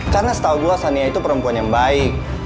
karena setahu gue sania itu perempuan yang baik